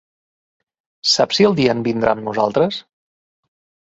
Saps si el Dyan vindrà amb nosaltres?